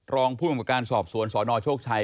รองผู้กำกับการสอบสวนสนโชคชัย